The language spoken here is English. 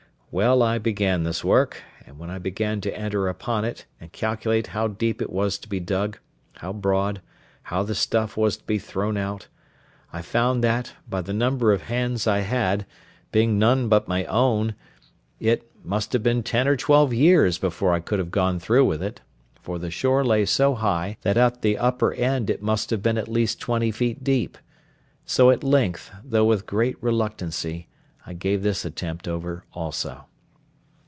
Well, I began this work; and when I began to enter upon it, and calculate how deep it was to be dug, how broad, how the stuff was to be thrown out, I found that, by the number of hands I had, being none but my own, it must have been ten or twelve years before I could have gone through with it; for the shore lay so high, that at the upper end it must have been at least twenty feet deep; so at length, though with great reluctancy, I gave this attempt over also.